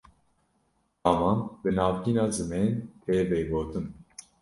Raman, bi navgîna zimên tê vegotin